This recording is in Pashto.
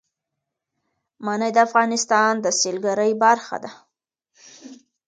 منی د افغانستان د سیلګرۍ برخه ده.